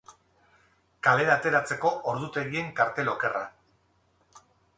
Kalera ateratzeko ordutegien kartel okerra.